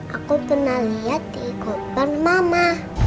aku pernah lihat di gulpan mama